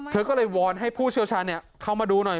เธอก็เลยวอนให้ผู้เชี่ยวชาญเข้ามาดูหน่อย